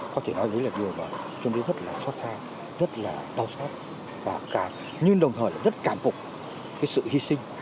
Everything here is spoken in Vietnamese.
có thể nói đấy là điều mà chúng tôi rất là xót xa rất là đau xót nhưng đồng thời rất là cảm phục cái sự hy sinh